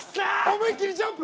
思いっきりジャンプ！